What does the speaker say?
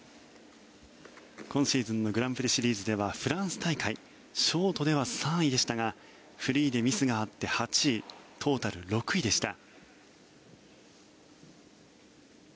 今シーズンのグランプリシリーズではフランス大会ショートでは３位でしたがフリーでミスがあって８位トータル６位でした。